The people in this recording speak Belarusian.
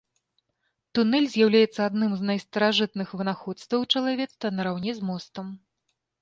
Тунэль з'яўляецца адным з найстаражытных вынаходстваў чалавецтва, нараўне з мостам.